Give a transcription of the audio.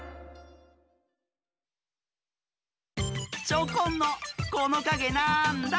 チョコンの「このかげなんだ？」